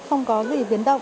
không có gì biến động